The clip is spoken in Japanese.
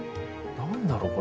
何だろう？